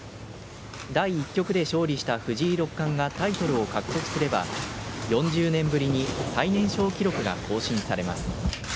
第１局で勝利した藤井六冠がタイトルを獲得すれば４０年ぶりに最年少記録が更新されます。